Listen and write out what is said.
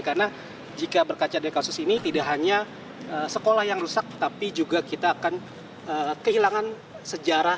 karena jika berkaca dari kasus ini tidak hanya sekolah yang rusak tapi juga kita akan kehilangan sejarah